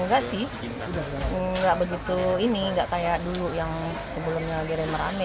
enggak begitu ini enggak kayak dulu yang sebelumnya lagi rame rame